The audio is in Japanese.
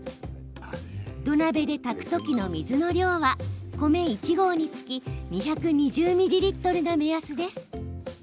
土鍋で炊くときの水の量は米１合につき２２０ミリリットルが目安です。